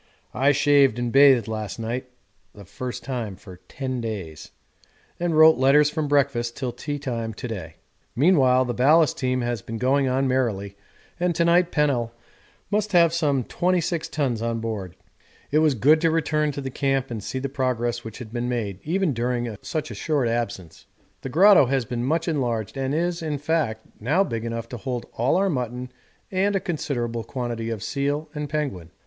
I shaved and bathed last night (the first time for 10 days) and wrote letters from breakfast till tea time to day. Meanwhile the ballast team has been going on merrily, and to night Pennell must have some 26 tons on board. It was good to return to the camp and see the progress which had been made even during such a short absence. The grotto has been much enlarged and is, in fact, now big enough to hold all our mutton and a considerable quantity of seal and penguin.